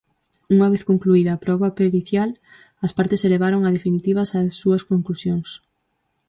Unha vez concluída a proba pericial, as partes elevaron a definitivas as súas conclusións.